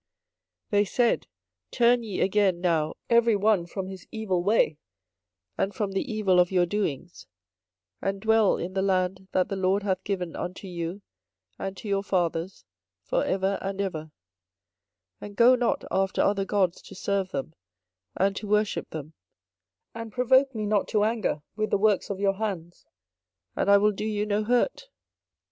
24:025:005 They said, Turn ye again now every one from his evil way, and from the evil of your doings, and dwell in the land that the LORD hath given unto you and to your fathers for ever and ever: 24:025:006 And go not after other gods to serve them, and to worship them, and provoke me not to anger with the works of your hands; and I will do you no hurt.